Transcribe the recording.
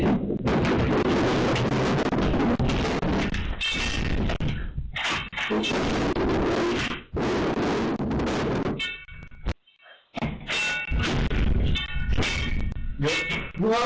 อียาะ